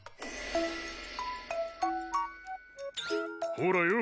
ほらよ